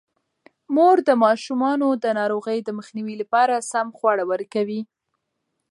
مور د ماشومانو د ناروغۍ د مخنیوي لپاره سم خواړه ورکوي.